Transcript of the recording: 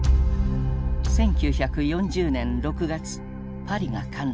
１９４０年６月パリが陥落。